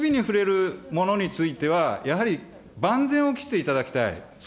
一番きびに触れるものについては、やはり万全を期していただきたい。